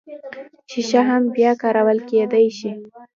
شیشه هم بیا کارول کیدی شي